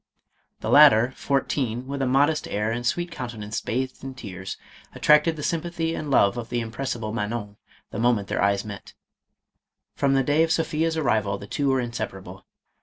The latter, fourteen, with a modest air and sweet countenance bathed in tears, attracted the sympathy and love of the impressible Manon the mo ment their eyes met. From the day of Sophia's arrival the two were inseparable.